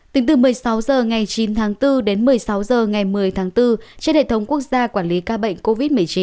tính từ một mươi sáu h ngày chín tháng bốn đến một mươi sáu h ngày một mươi tháng bốn trên hệ thống quốc gia quản lý ca bệnh covid một mươi chín